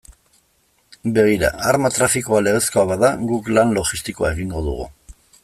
Begira, arma trafikoa legezkoa bada, guk lan logistikoa egingo dugu.